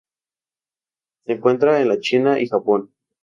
Se encuentra en la China y Japón.